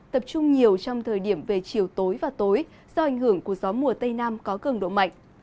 tập trung nhiều trong thời điểm về chiều tối và tối do ảnh hưởng của gió mùa tây nam có cường độ mạnh